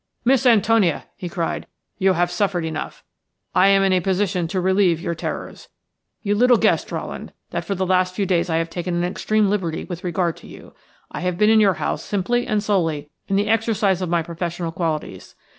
"Miss Antonia," he cried, "you have suffered enough. I am in a position to relieve your terrors. You little guessed, Rowland, that for the last few days I have taken an extreme liberty with regard to you. I have been in your house simply and solely in the exercise of my professional qualities.